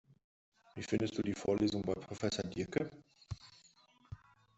Wie findest du die Vorlesungen bei Professor Diercke?